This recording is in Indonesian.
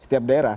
di setiap daerah